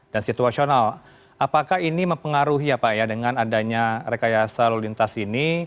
dan situasional apakah ini mempengaruhi ya pak ya dengan adanya rekayasa lalu lintas ini